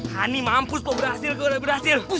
hani mampus kok berhasil